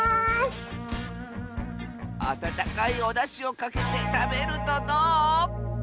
あたたかいおだしをかけてたべるとどう？